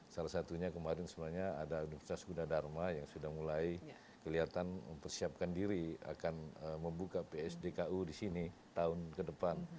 salah satunya kemarin sebenarnya ada universitas gunadharma yang sudah mulai kelihatan mempersiapkan diri akan membuka psdku di sini tahun ke depan